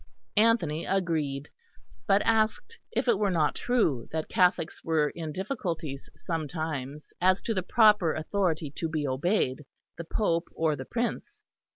Anthony agreed; but asked if it were not true that Catholics were in difficulties sometimes as to the proper authority to be obeyed the Pope or the Prince.